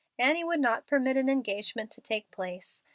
Annie would not permit an engagement to take place.